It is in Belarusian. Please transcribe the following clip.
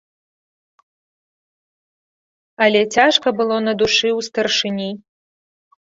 Але цяжка было на душы ў старшыні.